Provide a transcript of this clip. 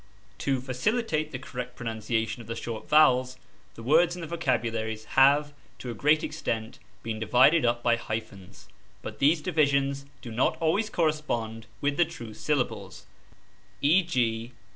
To facilitate the correct pronunciation of the short vowels, the words in the vocabularies have, to a great extent, been divided up by hyphens, but these divisions do not always correspond with the true syllables ; e.g.